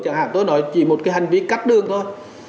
chẳng hạn tôi nói chỉ một cái hành vi cắt đường thôi